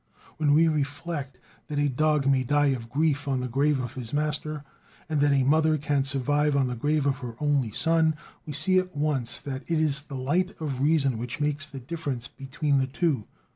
When we reflect that a dog may die of grief on the grave of his master, and that a mother can survive on the grave of her only son, we see at once that it is the light of reason which makes the difference between the two.